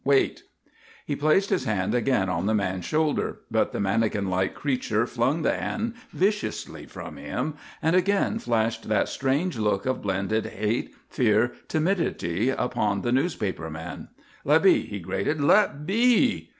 Wait." He placed his hand again on the man's shoulder. But the manikin like creature flung the hand viciously from him and again flashed that strange look of blended hate, fear, and timidity upon the newspaper man. "Let be!" he grated. "Let be!"